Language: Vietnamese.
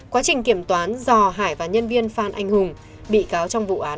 quá trình kiểm toán do hải và nhân viên phan anh hùng bị cáo trong vụ án